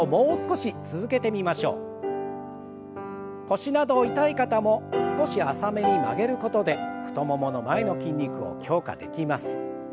腰など痛い方も少し浅めに曲げることで太ももの前の筋肉を強化できます。